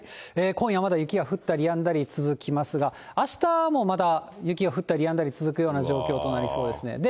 今夜まだ雪が降ったりやんだり続きますが、あしたもまだ雪が降ったりやんだり続くような状況となりそうですね。